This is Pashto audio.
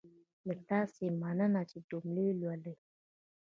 له تاسې مننه چې جملې لولئ.